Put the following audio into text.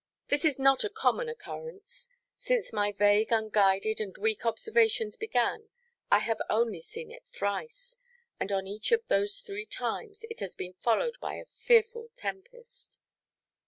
This is not a common occurrence. Since my vague, unguided, and weak observations began, I have only seen it thrice. And on each of those three times it has been followed by a fearful tempest.